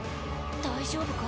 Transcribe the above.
大丈夫か？